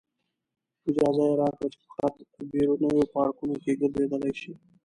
اجازه یې راکړه چې فقط بیرونیو پارکونو کې ګرځېدلی شئ.